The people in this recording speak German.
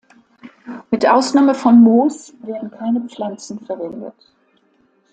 Mit Ausnahme von Moos werden keine Pflanzen verwendet.